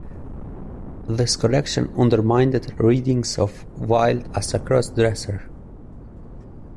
This correction undermined readings of Wilde as a cross-dresser.